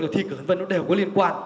thì thị cử v v nó đều có liên quan